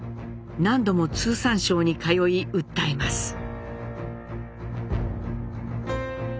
何度も通産省に通い訴えます。